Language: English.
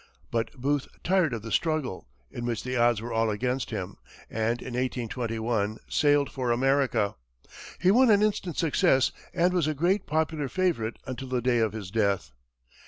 But Booth tired of the struggle, in which the odds were all against him, and in 1821 sailed for America. He won an instant success, and was a great popular favorite until the day of his death.